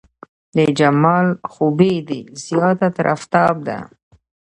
د جمال خوبي دې زياته تر افتاب ده